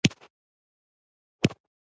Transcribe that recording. کورس د هوښیارۍ نښه ده.